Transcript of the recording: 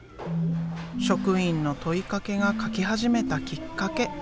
職員の問いかけが描き始めたきっかけ。